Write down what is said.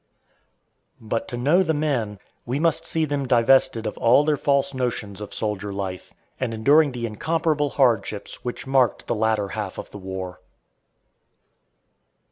But to know the men, we must see them divested of all their false notions of soldier life, and enduring the incomparable hardships which marked the latter half of the war.